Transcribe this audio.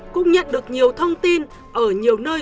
cũng nhận được nhiều thông tin ở nhiều nơi